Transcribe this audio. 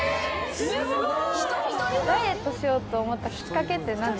すごい！